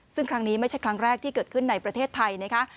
ซึ่งครั้งนี้ไม่ใช่ครั้งแรกที่เกิดขึ้นในประเทศไทยนะคะ